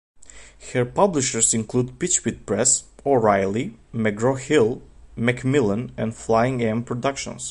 Her publishers include Peachpit Press, O'Reilly, McGraw-Hill, Macmillan, and Flying M Productions.